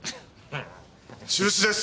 中止です！